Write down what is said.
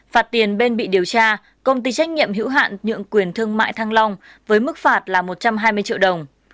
phạt tiền bên bị điều tra công ty trách nhiệm hữu hạn nhượng quyền thương mại thăng long với mức phạt là một trăm hai mươi triệu đồng